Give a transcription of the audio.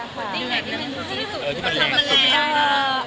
ดิงไหล่ดิงไหล่ดูดีที่สุด